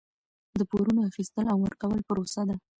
د پورونو اخیستل او ورکول پروسه ده.